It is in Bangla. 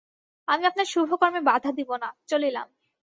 আমি আপনার শুভকর্মে বাধা দিব না, চলিলাম।